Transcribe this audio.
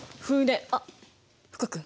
あっ福君！